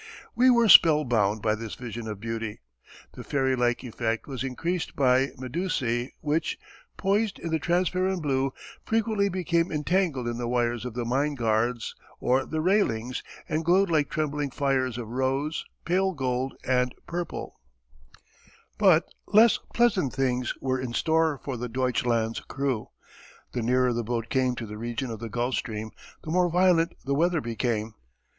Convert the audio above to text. We were spell bound by this vision of beauty. The fairy like effect was increased by medusæ which, poised in the transparent blue, frequently became entangled in the wires of the mine guards or the railings and glowed like trembling fires of rose, pale gold, and purple. [Footnote 3: ©] But less pleasant things were in store for the Deutschland's crew. The nearer the boat came to the region of the Gulf Stream, the more violent the weather became.